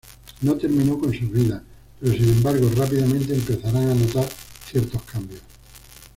No terminó con sus vidas, pero sin embargo rápidamente empezarán a notar ciertos cambios.